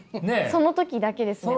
その時だけですね。